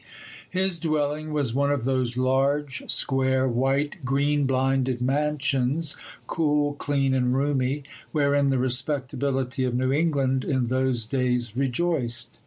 His dwelling was one of those large, square, white, green blinded mansions—cool, clean, and roomy—wherein the respectability of New England in those days rejoiced.